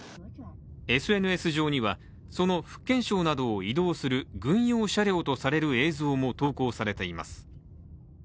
ＳＮＳ上には、その福建省などを移動する軍用車両とされる映像も投稿されています。